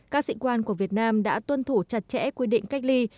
các sĩ quan của việt nam đã tuân thủ chặt chẽ quy định cách ly